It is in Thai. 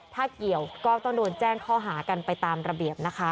ถ้าเกี่ยวก็ต้องโดนแจ้งข้อหากันไปตามระเบียบนะคะ